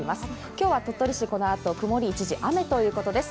今日は鳥取市、このあと曇り一時雨ということです。